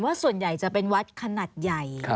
ส่วนใหญ่จะเป็นวัดขนาดใหญ่